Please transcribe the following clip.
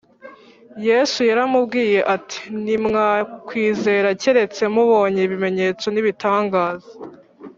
Yesu yaramubwiye ati, “Ntimwakwizera keretse mubonye ibimenyetso n’ibitangaza.”